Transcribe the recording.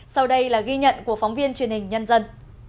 sau đây là ghi nhận của phóng viên truyền hình nhân dân